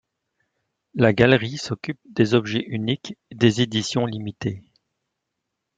La Gallery s’occupe des objets uniques, des éditions limités.